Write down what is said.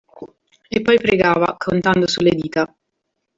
E poi pregava, contando sulle dita.